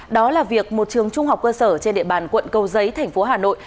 đó là việc một trường trung học cơ sở trên địa bàn quận cầu giấy thành phố hà nội